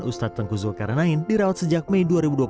ustadz tengku zulkarnain dirawat sejak mei dua ribu dua puluh